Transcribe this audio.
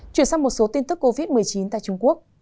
chuyển sang một số tin tức covid một mươi chín tại trung quốc